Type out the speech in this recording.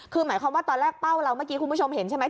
คือหมายความว่าตอนแรกเป้าเราเมื่อกี้คุณผู้ชมเห็นใช่ไหม